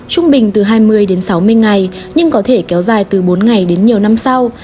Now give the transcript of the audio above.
trung bình từ hai mươi đến sáu mươi ngày nhưng có thể kéo dài từ bốn ngày đến nhiều năm sau